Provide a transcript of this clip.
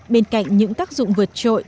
bên cạnh những tác dụng vượt trội